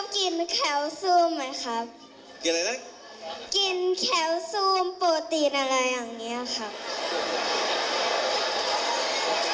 กินแคลเซียมโปรตีนอะไรอย่างนี้ครับ